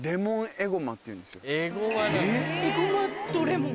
エゴマとレモン？